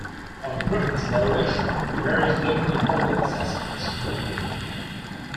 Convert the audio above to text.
On Griffith's valuation the various local and public assessments were made.